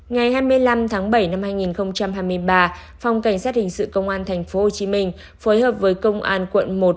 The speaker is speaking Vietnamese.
ngày hai mươi năm tháng bảy năm hai nghìn hai mươi ba phòng cảnh sát hình sự công an tp hcm phối hợp với công an quận một